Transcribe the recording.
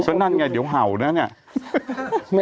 ก็นั่นไงเดี๋ยวเห่านะเนี่ย